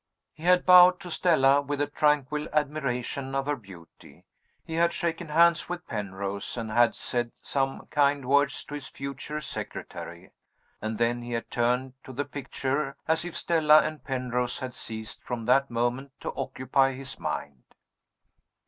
He had bowed to Stella, with a tranquil admiration of her beauty; he had shaken hands with Penrose, and had said some kind words to his future secretary and then he had turned to the picture, as if Stella and Penrose had ceased from that moment to occupy his mind.